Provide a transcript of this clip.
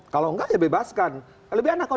kalau nggak ya bebaskan lebih enak kalau